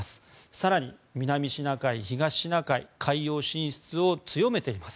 更に、南シナ海、東シナ海に海洋進出を強めています。